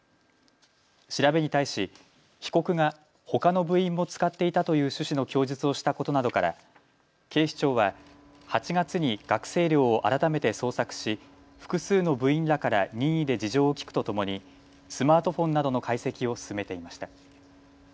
調べに対し、被告がほかの部員も使っていたという趣旨の供述をしたことなどから、警視庁は８月に学生寮を改めて捜索し複数の部員らから任意で事情を聞くとともにスマートフォンなどの解析を進めていました。